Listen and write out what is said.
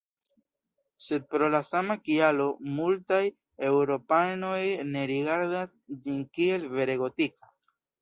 Sed pro la sama kialo, multaj eŭropanoj ne rigardas ĝin kiel vere gotika.